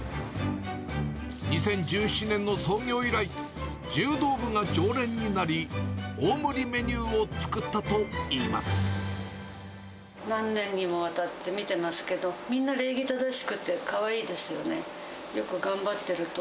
２０１７年の創業以来、柔道部が常連になり、大盛りメニューを作何年にもわたって見てますけど、みんな礼儀正しくてかわいいですよね。